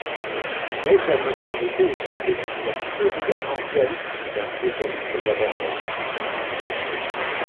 Mais sa notoriété au sein de l’Université est également celle d’un spécialiste d’Averroès.